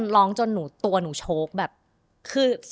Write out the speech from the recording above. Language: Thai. ร้องจนตัวหนูโชค